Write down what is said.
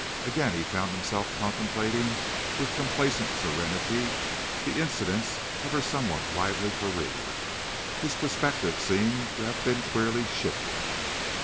Again, he found himself contemplating, with complaisant serenity, the incidents of her somewhat lively career. His perspective seemed to have been queerly shifted.